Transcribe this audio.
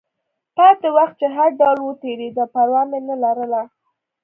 پاتې وخت چې هر ډول و، تېرېده، پروا مې نه لرله.